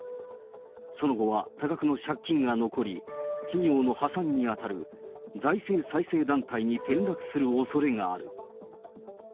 その後は多額の借金が残り、企業の破産に当たる、財政再生団体に転落するおそれがある。